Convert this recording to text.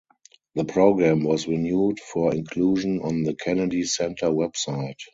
The program was renewed for inclusion on the Kennedy Center website.